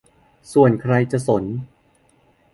ส่วนใครสนใจ